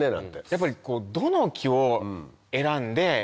やっぱりどの木を選んで。